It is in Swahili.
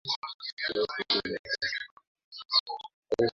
dakika thelathini za kumhoji Jackson